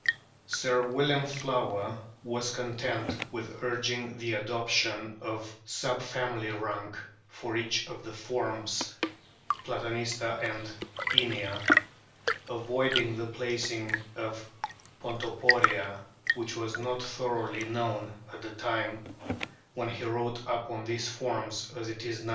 Sir William Flower was content with urging the adoption of sub family rank for each of the forms Platanista and Inia, avoiding the placing of Ponto poria, which was not so thoroughly known at the time when he wrote upon these forms as it is now.